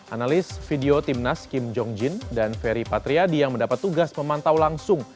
analis video timnas kim jong jin dan ferry patriadi yang mendapat tugas memantau langsung